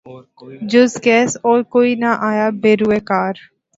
جزقیس اور کوئی نہ آیا بہ روے کار